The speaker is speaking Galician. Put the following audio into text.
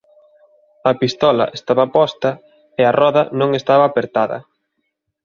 A pistola estaba posta e a roda non estaba apertada.